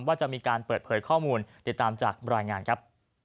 ว่าจะมีการเปิดเผยข้อมูลติดตามจากรายงานครับ